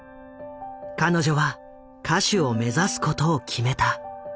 彼女は歌手を目指すことを決めた。